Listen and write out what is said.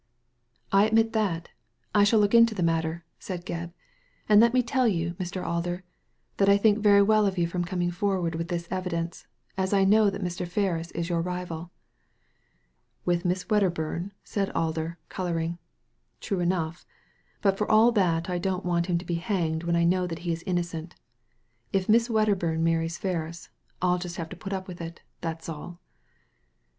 "I admit that I I shall look into the matter," Digitized by Google 148 THE LADY FROM NOWHERE said Gebb, "and let me tell you, Mr. Alder, that I think very well of you for coming forward with this evidence, as I know that Mr. Ferris is your rival." "With Miss Wedderbum/* said Alder, colouring. " True enough ; but for all that I don't want him to be hanged when I know that he is innocent If Miss Wedderbum marries Ferris I'll just have to put up with it, that's all."